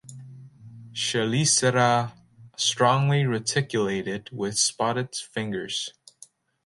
Chelicera strongly reticulated with spotted fingers.